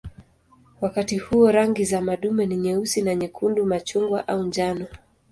Wakati huo rangi za madume ni nyeusi na nyekundu, machungwa au njano.